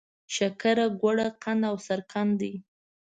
شکره، ګوړه، قند او سرقند دي.